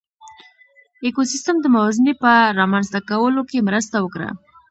ایکوسېسټم د موازنې په رامنځ ته کولو کې مرسته وکړه.